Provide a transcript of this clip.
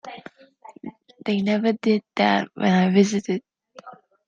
They never did that when I visited.